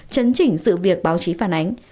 chấn chỉnh sự việc báo chí phản ánh